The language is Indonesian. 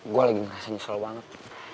gue lagi ngerasa nyesel banget